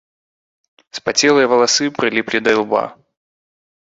Спацелыя валасы прыліплі да ілба.